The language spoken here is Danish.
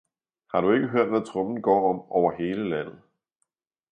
Har du ikke hørt hvad trommen går om over hele landet!